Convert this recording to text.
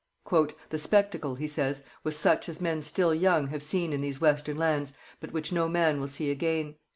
'The spectacle,' he says, 'was such as men still young have seen in these western lands, but which no man will see again.